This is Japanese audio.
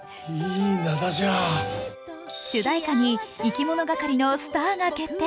主題歌にいきものがかりの「ＳＴＡＲ」が決定。